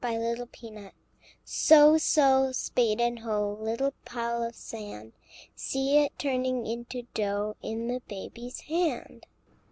BABY'S BAKING So, so, spade and hoe, Little pile of sand; See it turning into dough In the baby's hand!